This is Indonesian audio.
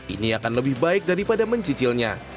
ini akan lebih baik daripada mencicilnya